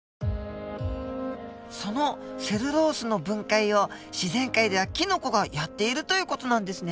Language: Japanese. そのセルロースの分解を自然界ではキノコがやっているという事なんですね。